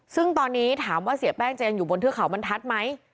ซึ่งตอนนี้ถามว่าเสียแป้งจะยังอยู่บนเทือกเขาบรรทัศน์ไหม